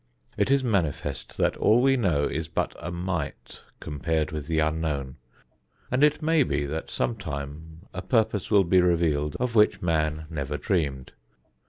It is manifest that all we know is but a mite compared with the unknown, and it may be that sometime a purpose will be revealed of which man never dreamed.